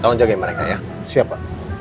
tolong jaga mereka ya siapa